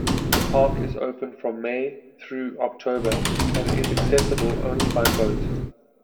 The park is open from May through October, and is accessible only by boat.